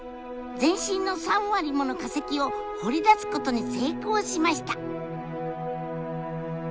全身の３割もの化石を掘り出すことに成功しました！